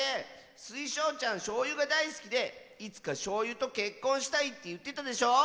スイショウちゃんしょうゆがだいすきでいつかしょうゆとけっこんしたいっていってたでしょ。